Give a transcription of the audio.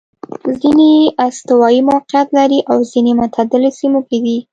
ځیني یې استوايي موقعیت لري او ځیني معتدلو سیمو کې دي.